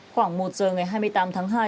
khoảng một giờ ngày hai mươi tám tháng hai